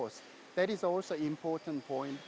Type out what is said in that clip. ini juga adalah titik penting